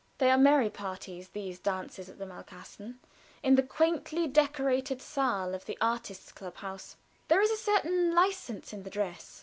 They are merry parties, these dances at the Malkasten, in the quaintly decorated saal of the artists' club house. There is a certain license in the dress.